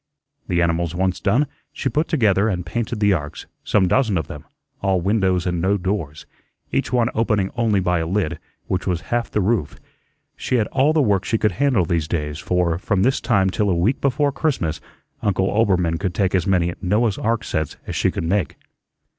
The animals once done, she put together and painted the arks, some dozen of them, all windows and no doors, each one opening only by a lid which was half the roof. She had all the work she could handle these days, for, from this time till a week before Christmas, Uncle Oelbermann could take as many "Noah's ark sets" as she could make.